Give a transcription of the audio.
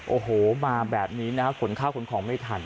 โอ้โหมาแบบนี้นะขนข้าวขนของไม่ทัน